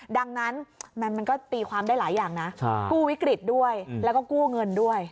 ดังนั้นมันก็ตีความได้หลายอย่างนะกู้วิกฤตด้วยแล้วก็กู้เงินด้วย